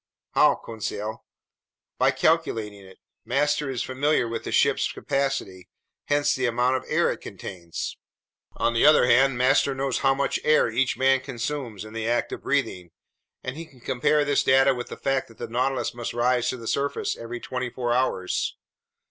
"How, Conseil?" "By calculating it. Master is familiar with the ship's capacity, hence the amount of air it contains; on the other hand, master knows how much air each man consumes in the act of breathing, and he can compare this data with the fact that the Nautilus must rise to the surface every twenty four hours